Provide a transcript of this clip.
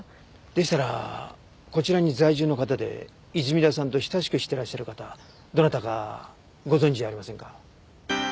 でしたらこちらに在住の方で泉田さんと親しくしてらっしゃる方どなたかご存じありませんか？